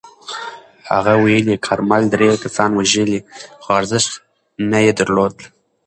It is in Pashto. هغه ویلي، کارمل درې کسان وژلي خو ارزښت نه یې درلود.